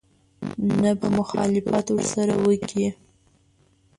نه به مخالفت ورسره وکړي.